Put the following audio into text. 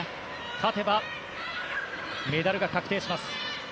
勝てばメダルが確定します。